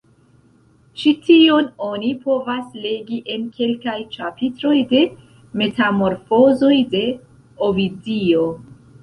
Ĉi tion oni povas legi en kelkaj ĉapitroj de Metamorfozoj de Ovidio.